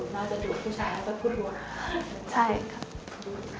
น่าจะดุผู้ชายแล้วก็พูดรวม